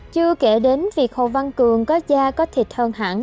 chưa kể đến việc hồ văn cường có da có thịt hơn hẳn